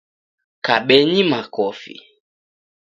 Kabenyi makofi.